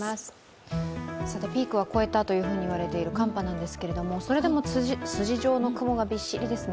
ピークは越えたというふうにいわれている寒波なんですけどそれでも筋状の雲がびっしりですね。